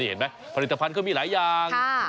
เห็นไหมผลิตภัณฑ์เขามีหลายอย่าง